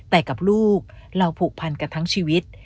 แต่กับลูกเราผูกพันกันทั้งชีวิต